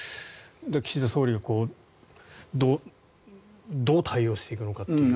岸田総理がどう対応していくのかという。